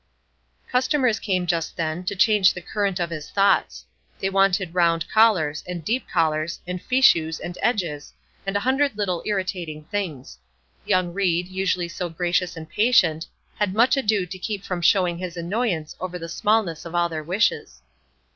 Customers came just then, to change the current of his thoughts. They wanted round collars, and deep collars, and fichus, and edges, and a hundred little irritating things. Young Ried, usually so gracious and patient, had much ado to keep from showing his annoyance over the smallness of all their wishes.